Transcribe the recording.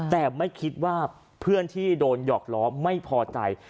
แต่ไม่คิดว่าเพื่อนที่โดนหยอกล้อไม่พอใจ